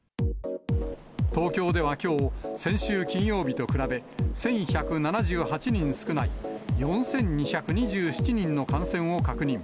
東京ではきょう、先週金曜日と比べ、１１７８人少ない４２２７人の感染を確認。